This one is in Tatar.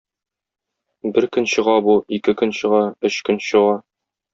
Бер көн чыга бу, ике көн чыга, өч көн чыга.